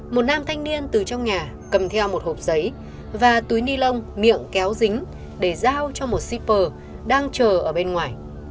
một nam thanh niên từ trong nhà cầm theo một hộp giấy và túi ni lông miệng kéo dính để giao cho một shipper đang chờ ở bên ngoài